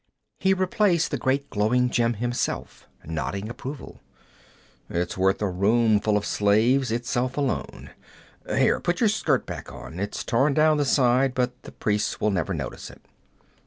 He replaced the great glowing gem himself, nodding approval. 'It's worth a room full of slaves, itself alone. Here, put your skirt back on. It's torn down the side, but the priests will never notice it.